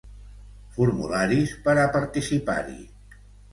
Formularis per a participar-hi.